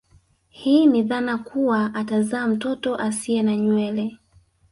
Hii ni dhana kuwa atazaa mtoto asie na nywele